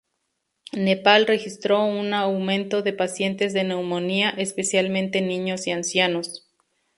Nepal registró un aumento de pacientes de neumonía, especialmente niños y ancianos.